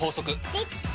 できた！